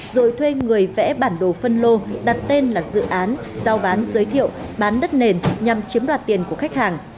rồi thuê người vẽ bản đồ phân lô đặt tên là dự án giao bán giới thiệu bán đất nền nhằm chiếm đoạt tiền của khách hàng